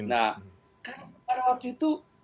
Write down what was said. nah kan pada waktu itu